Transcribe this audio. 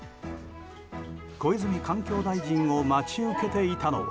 小泉環境大臣を待ち受けていたのは。